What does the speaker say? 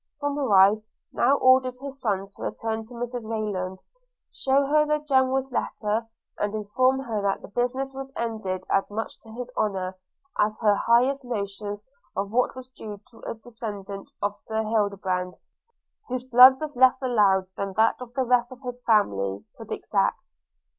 Somerive now ordered his son to return to Mrs Rayland, shew her the General's letter, and inform her that the business was ended as much to his honour, as her highest notions of what was due to a descendant of Sir Hildebrand (whose blood was less allowed than that of the rest of his family) could exact.